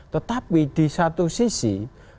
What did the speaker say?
tetapi di satu sisi